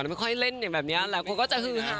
ไม่ค่อยเล่นแบบนี้หลายคนก็จะคือ